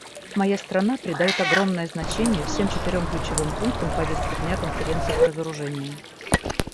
Моя страна придает огромное значение всем четырем ключевым пунктам повестки дня Конференции по разоружению.